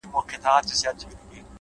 ریښتینی ځواک په ثبات کې دی’